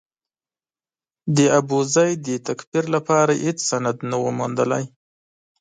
د ابوزید د تکفیر لپاره هېڅ سند نه و موندلای.